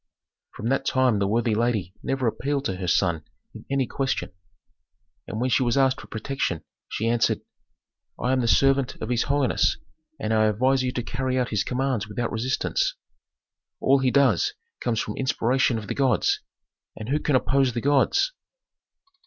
From that time the worthy lady never appealed to her son in any question. And when she was asked for protection, she answered, "I am the servant of his holiness and I advise you to carry out his commands without resistance. All he does comes from inspiration of the gods. And who can oppose the gods?"